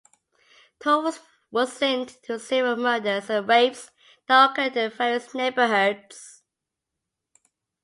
Torres was linked to several murders and rapes that occurred in various neighborhoods.